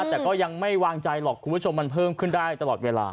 แต่ก็ยังไม่วางใจหรอกคุณผู้ชมมันเพิ่มขึ้นได้ตลอดเวลา